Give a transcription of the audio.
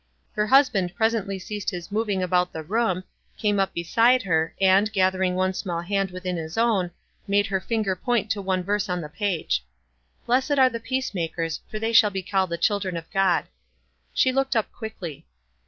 Her husband presently ceased his moving about the room, came up beside her, and, gathering one shall hand within his own, made her fingsr point to one verse on the page, " Blessed are the peacemakers : for they shall be called the chil dren of God." She looked up quickly.